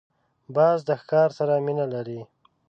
باز د ښکار سره مینه لري